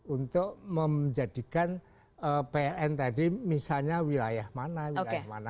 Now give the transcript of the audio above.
untuk menjadikan pln tadi misalnya wilayah mana wilayah mana